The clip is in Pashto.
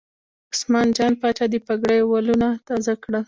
عثمان جان پاچا د پګړۍ ولونه تازه کړل.